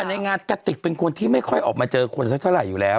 แต่ในงานกะติกเป็นคนที่ไม่ค่อยออกมาเจอคนสักเท่าไหร่อยู่แล้ว